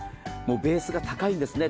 ベースが高いんですね。